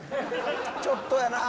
ちょっとやなあ。